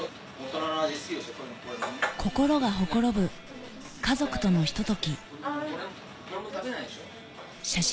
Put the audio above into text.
心がほころぶ家族とのひと時